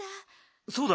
そうだ。